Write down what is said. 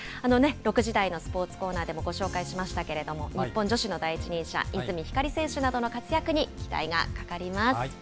６時台のスポーツコーナーでもご紹介しましたけれども、日本女子の第一人者、泉ひかり選手などの活躍に期待がかかります。